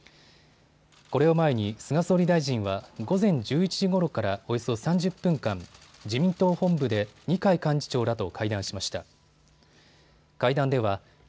これを前に菅総理大臣は午前１１時ごろからおよそ３０分間、自民党本部で二階幹事長らと会談しました。